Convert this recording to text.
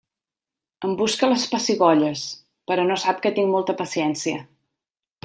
Em busca les pessigolles, però no sap que tinc molta paciència.